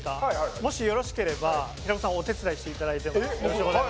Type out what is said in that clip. もしよろしければ平子さんお手伝いいただいてもえっ